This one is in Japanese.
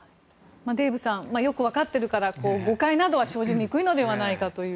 デーブさんよく分かってるから誤解などは生じにくいのではないかという。